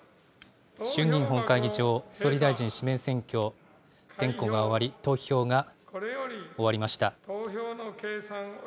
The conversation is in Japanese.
衆議院本会議場、総理大臣指名選挙、点呼が終わり、投票が終わりました。